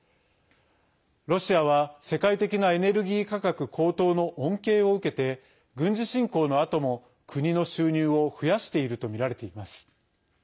ロシアは世界的なエネルギー価格高騰の恩恵を受けて軍事侵攻のあとも国の収入を増やしているとみられています。